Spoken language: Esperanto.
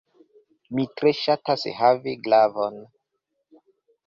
Mi tre ŝatas havi glavon.